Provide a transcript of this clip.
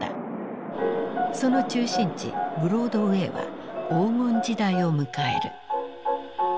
その中心地ブロードウェイは黄金時代を迎える。